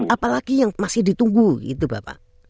apalagi yang masih ditunggu gitu bapak